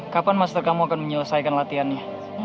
kapan master kamu akan menyelesaikan latihannya